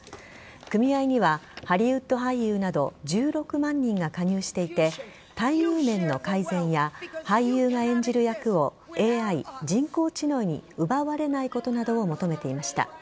組合にはハリウッド俳優など１６万人が加入していて待遇面の改善や俳優が演じる役をＡＩ＝人工知能に奪われないことなどを求めていました。